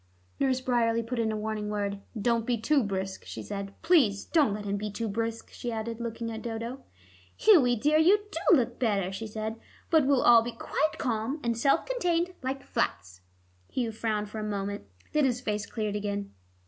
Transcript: Nurse Bryerley put in a warning word. "Don't be too brisk," she said. "Please don't let him be too brisk," she added, looking at Dodo. "Hughie, dear, you do look better," she said; "but we'll all be quite calm, and self contained like flats." Hugh frowned for a moment; then his face cleared again.